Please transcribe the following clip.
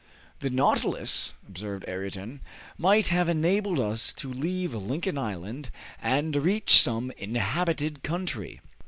"The 'Nautilus,'" observed Ayrton, "might have enabled us to leave Lincoln Island and reach some inhabited country."